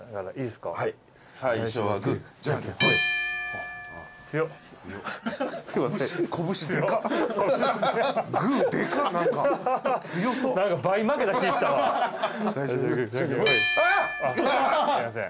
すいません。